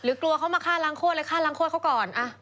กลัวเขามาฆ่าล้างโคตรเลยฆ่าล้างโคตรเขาก่อน